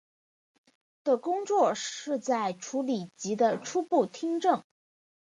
的工作是在处理及的初步听证。